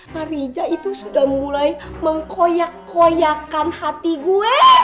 pak rija itu sudah mulai mengkoyak koyakan hati gue